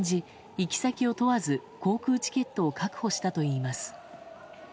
行き先を問わず航空チケットを確保したといいます。